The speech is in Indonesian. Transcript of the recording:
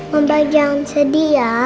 mama jangan sedih ya